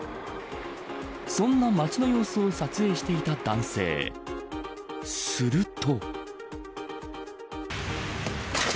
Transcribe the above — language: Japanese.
そんな街の様子を撮影していた男性すると。